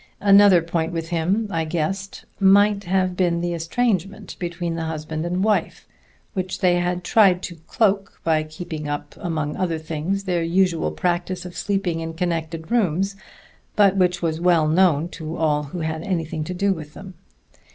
Another point with him, I guessed, might have been the estrangement between the husband and wife, which they had tried to cloak by keeping up, among other things, their usual practice of sleeping in connected rooms, but which was well known to all who had anything to do with them.